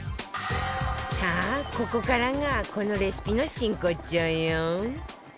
さあここからがこのレシピの真骨頂よ